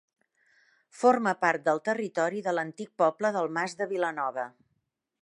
Forma part del territori de l'antic poble del Mas de Vilanova.